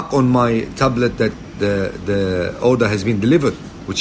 tanda di tablet saya bahwa pesan telah diantar